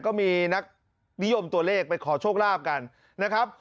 ก็มีนักนิยมตัวเลขไปขอโชคลาภกันนะครับ